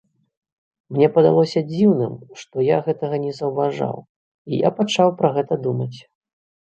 Мне падалося дзіўным, што я гэтага не заўважаў, і я пачаў пра гэта думаць.